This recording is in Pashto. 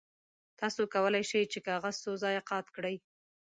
تاسو کولی شئ چې کاغذ څو ځایه قات کړئ.